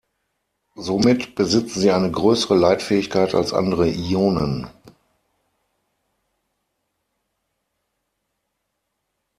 Somit besitzen sie eine größere Leitfähigkeit als andere Ionen.